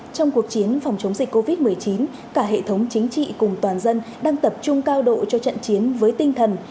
trong cuộc chiến phòng chống dịch covid một mươi chín cả hệ thống chính trị cùng toàn dân đang tập trung cao độ cho trận chiến với tinh thần